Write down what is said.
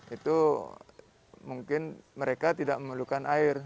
itu mungkin mereka tidak memerlukan air